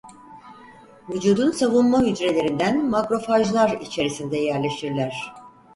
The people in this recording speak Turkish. Vücudun savunma hücrelerinden "Makrofajlar" içerisinde yerleşirler.